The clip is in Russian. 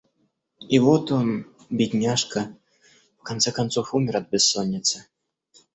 И вот он, бедняжка, в конце концов умер от бессоницы.